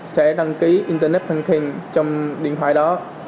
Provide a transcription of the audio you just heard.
sẽ đăng ký internet banking trong điện thoại đó